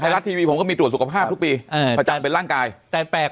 ไทยรัสทีวีผมก็มีตรวจสุขภาพทุกปีเอ่อประจำเป็นร่างกายแต่แปลก